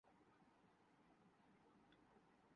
test team کے لیے بھی